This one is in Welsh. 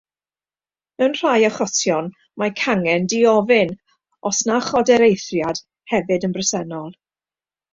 Mewn rhai achosion mae cangen ddiofyn, os na chodir eithriad, hefyd yn bresennol.